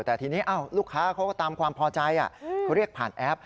แต่ทีนี้ลูกค้าเขาก็ตามความพอใจเขาเรียกผ่านแอป